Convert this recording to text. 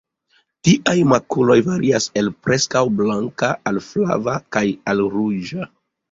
Tiaj makuloj varias el preskaŭ blanka al flava, kaj al ruĝa.